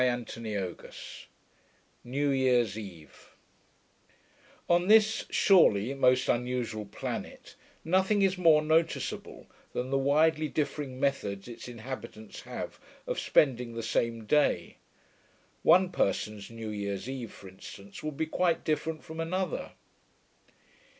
CHAPTER XVII NEW YEARS EVE 1 On this (surely) most unusual planet, nothing is more noticeable than the widely differing methods its inhabitants have of spending the same day. One person's new year's eve, for instance, will be quite different from another.